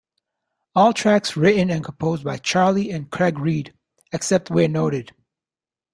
All tracks written and composed by Charlie and Craig Reid, except where noted.